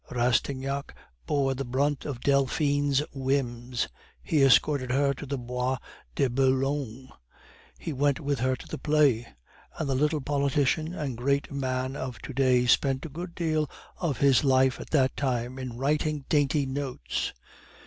Rastignac bore the brunt of Delphine's whims; he escorted her to the Bois de Boulogne; he went with her to the play; and the little politician and great man of to day spent a good deal of his life at that time in writing dainty notes.